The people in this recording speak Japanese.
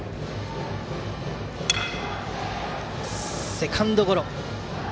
セカンドゴロ。